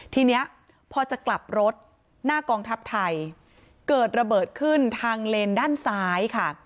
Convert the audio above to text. ทีนี้พอจะกลับรถหน้ากองทัพไทยเกิดระเบิดขึ้นทางเลนด้านซ้ายค่ะ